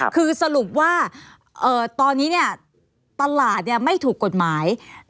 คือสรุปว่าตอนนี้เนี่ยตลาดไม่ถูกกฎหมาย